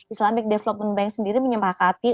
isdb menyepak hati untuk menun mesh park hati